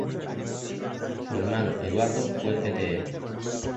Su hermano Eduardo fue Pte.